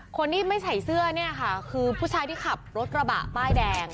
คนที่ไม่ใส่เสื้อเนี่ยค่ะคือผู้ชายที่ขับรถกระบะป้ายแดง